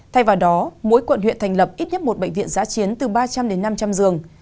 thay vào đó mỗi quận huyện thành lập ít nhất một bệnh viện giã chiến từ ba trăm linh đến năm trăm linh giường